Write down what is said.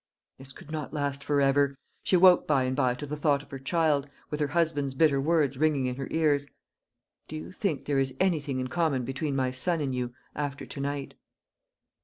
This could not last for ever. She awoke by and by to the thought of her child, with her husband's bitter words ringing in her ears, "Do you think there is anything in common between my son and you, after to night?"